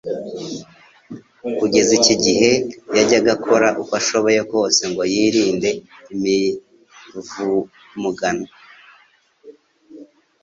Kugeza iki gihe, yajyaga akora uko ashoboye kose ngo yirinde imivumugano